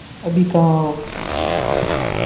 ابھی کہاں ہو؟